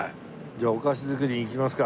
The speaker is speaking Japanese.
じゃあお菓子作りに行きますか。